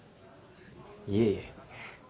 いえいえ。